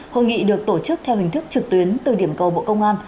hội nghị được tổ chức theo hình thức trực tuyến từ điểm cầu bộ công an